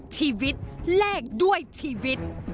ชีวิตแลกด้วยชีวิต